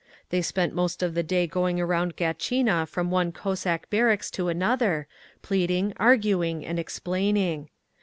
They spent most of the day going around Gatchina from one Cossack barracks to another, pleading, arguing and explaining.